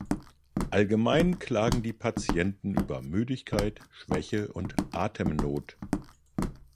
Allgemein klagen die Patienten über Müdigkeit, Schwäche und Atemnot.